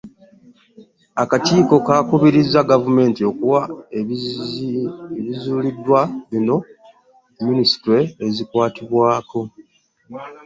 Akakiiko kakubiriza Gavumenti okuwa ebizuuliddwa bino minisitule ezikwatibwako.